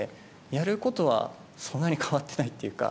やることは、そんなに変わってないっていうか。